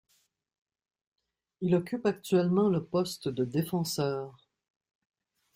Il occupe actuellement le poste de défenseur.